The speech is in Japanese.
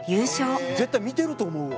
絶対見てると思うわ。